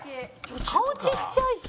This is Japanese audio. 顔ちっちゃいし。